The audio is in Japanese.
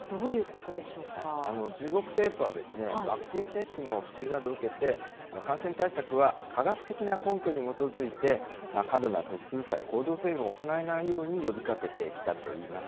中国政府は、ワクチン接種の普及などを受けて、感染対策は科学的な根拠に基づいて、過度な都市封鎖や行動制限を行わないように呼びかけてきたといいます。